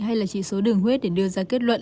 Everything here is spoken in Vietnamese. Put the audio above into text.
hay là chỉ số đường huyết để đưa ra kết luận